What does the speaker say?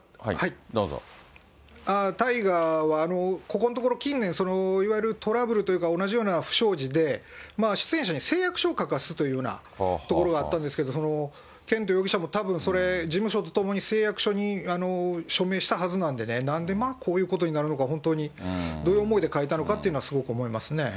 大河はここのところ、近年、いわゆるトラブルというか、同じような不祥事で、出演者に誓約書を書かすというようなところがあったんですけど、絢斗容疑者もたぶんそれ、事務所と共に誓約書に署名したはずなんでね、なんでこういうことになるのか、本当に、どういう思いで書いたのかっていうのはすごく思いますね。